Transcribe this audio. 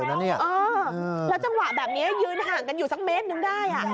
แล้วจังหวะแบบนี้ยืนห่างกันอยู่สักเมตรนึงได้